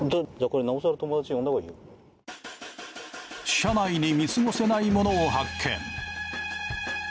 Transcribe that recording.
車内に見過ごせないものを発見。